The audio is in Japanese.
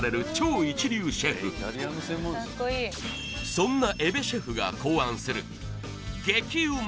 そんな江部シェフが考案する激ウマ！